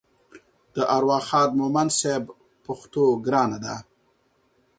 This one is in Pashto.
د ارواښاد مومند صیب د پښتو ګرانه ده لیک